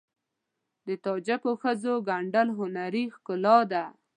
د تاجکو ښځو ګنډل هنري ښکلا ده.